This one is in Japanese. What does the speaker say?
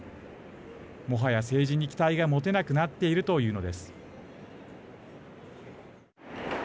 もはや政治に期待が持てなくなっているというのです。